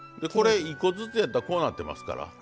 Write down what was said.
これ１個ずつやったらこうなってますから。